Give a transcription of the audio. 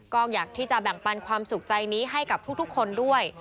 ก็อยากที่จะแบ่งปันความสุขใจนี้ให้กับทุกคนด้วย